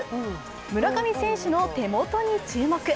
村上選手の手元に注目。